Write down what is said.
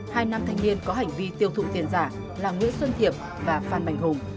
hai nam thanh niên có hành vi tiêu thụ tiền giả là nguyễn xuân thiệp và phan bành hùng